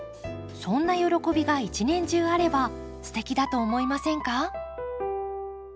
そんな喜びが一年中あればすてきだと思いませんか？